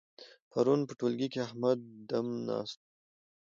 پرون په ټولګي کې احمد دم ناست وو.